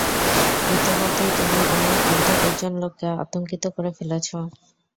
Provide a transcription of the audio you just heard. ইতোমধ্যেই তুমি আমার অর্ধডজন লোককে আতংকিত করে ফেলেছ!